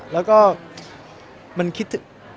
แล้วก็มันคิดถึง